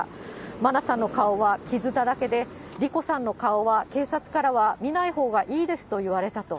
真菜さんの顔は傷だらけで、莉子さんの顔は、警察からは見ないほうがいいですと言われたと。